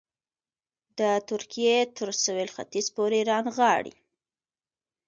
د ترکیې تر سوېل ختیځ پورې رانغاړي.